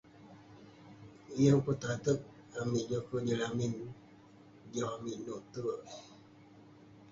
Yeng pun tateg amik joker jin lamin. Joh amik nouk terk.